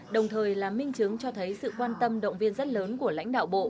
đồng thời là minh chứng cho thấy sự quan tâm động viên rất lớn của lãnh đạo bộ